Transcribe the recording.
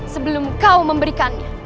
sebelum kau memberikannya